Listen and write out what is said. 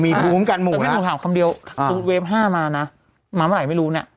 มีภูมิกันหมู่แล้วถ้าไม่ถามคำเดียวเวฟ๕มานะมาเมื่อไหร่ไม่รู้เนี่ย